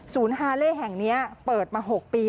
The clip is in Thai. ฮาเล่แห่งนี้เปิดมา๖ปี